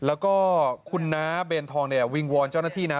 แล้วก็คุณน้าเบนทองเนี่ยวิงวอนเจ้าหน้าที่นะ